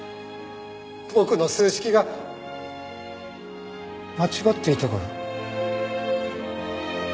僕の数式が間違っていたから。